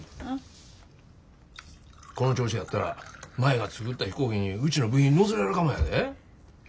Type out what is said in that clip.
この調子やったら舞が作った飛行機にうちの部品載せれるかもやで。